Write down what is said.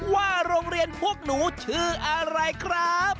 ว่าโรงเรียนพวกหนูชื่ออะไรครับ